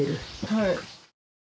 はい。